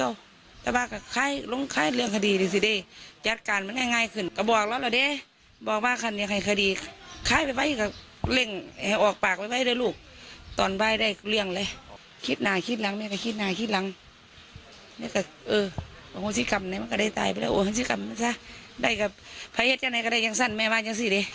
เออวงศิษย์กรรมนั้นมันก็ได้ตายไปแล้ววงศิษย์กรรมนั้นซะได้กับภัยเฮ็ดจังไหนก็ได้ยังสั้นแม่ว่าจังสิดิ